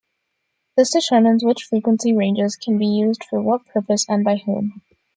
This determines which frequency ranges can be used for what purpose and by whom.